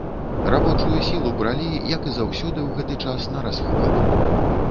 Рабочую сілу бралі, як і заўсёды ў гэты час, нарасхват.